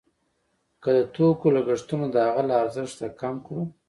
که د توکو لګښتونه د هغه له ارزښت کم کړو